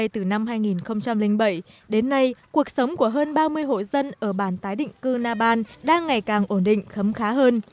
từ năm hai nghìn bảy đến nay cuộc sống của hơn ba mươi hộ dân ở bản tái định cư na ban đang ngày càng ổn định khấm khá hơn